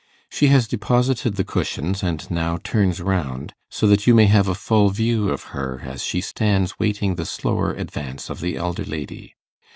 She has deposited the cushions, and now turns round, so that you may have a full view of her as she stands waiting the slower advance of the elder lady.